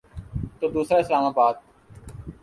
تو دوسرا اسلام آباد۔